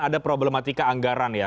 ada problematika anggaran ya